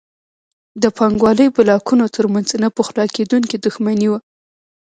د پانګوالۍ بلاکونو ترمنځ نه پخلاکېدونکې دښمني وه.